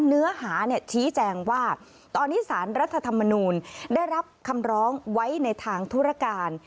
เนื้อหาชี้แจงว่าตอนนี้สารรัฐธรรมนูลได้รับคำร้องไว้ในทางธุรการ